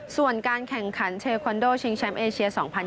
ส่วนการแข่งขันเทคอนโดชิงแชมป์เอเชีย๒๐๒๐